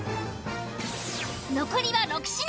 残りは６品。